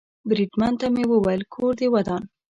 بریدمن ته مې وویل: کور دې ودان.